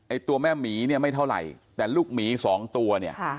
ตัวแม่หมีเนี่ยไม่เท่าไหร่แต่ลูกหมีสองตัวเนี่ย